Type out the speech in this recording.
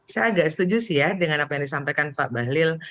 saya agak setuju sih ya dengan apa yang disampaikan pak bahlil